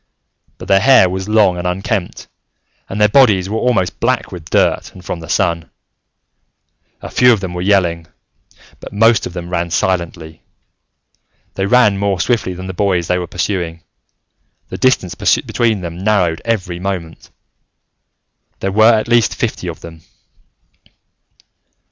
But their hair was long and unkempt, and their bodies were almost black with dirt and from the sun. A few of them were yelling, but most of them ran silently. They ran more swiftly than the boy they were pursuing: the distance between them narrowed every moment. There were at least fifty of them.